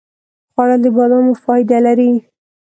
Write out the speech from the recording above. خوړل د بادامو فایده لري